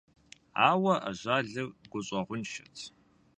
Ауэ ажалыр гущӀэгъуншэт…